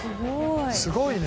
すごいね。